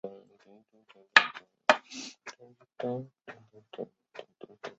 甘溪是古时广州城区的重要水道。